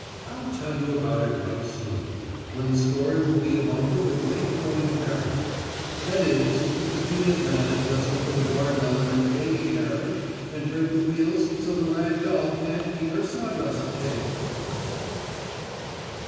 I'll tell you about it right soon, when the story will be of Uncle Wiggily going berrying; that is, if the peanut man doesn't put a watermelon in the baby carriage and break the wheels so the rag doll can't eat her sawdust cake.